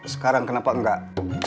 sekarang kenapa enggak